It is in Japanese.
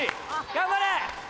頑張れ！